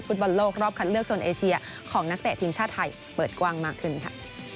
บอลโลกรอบคัดเลือกโซนเอเชียของนักเตะทีมชาติไทยเปิดกว้างมากขึ้นค่ะ